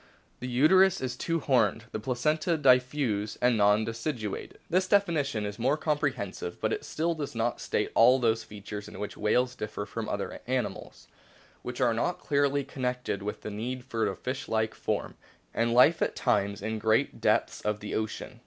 The uterus is two horned ; the placenta diffuse and non deciduate." This definition is more comprehensive, but it still does not state all those features in which whales differ from other animals, which are not clearly con nected with the need for a fish like form and life at times in great depths of the ocean.